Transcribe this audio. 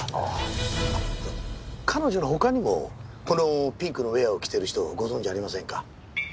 彼女の他にもこのピンクのウェアを着ている人をご存じありませんか？